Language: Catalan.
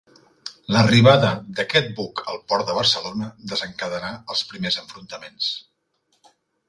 L'arribada d'aquest buc al Port de Barcelona desencadenà els primers enfrontaments.